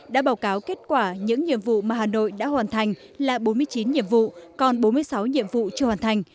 đã báo cáo kết quả những nhiệm vụ mà hà nội đã hoàn thành là bốn mươi chín nhiệm vụ còn bốn mươi sáu nhiệm vụ chưa hoàn thành